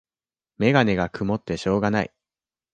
メガネがくもってしょうがない